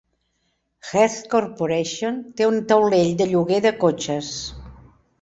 Hertz Corporation té un taulell de lloguer de cotxes.